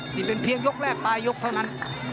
นี่เป็นเพียงยกแรกปลายยกเท่านั้น